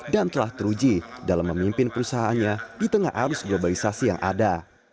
dan telah teruji dalam memimpin perusahaannya di tengah arus globalisasi yang ada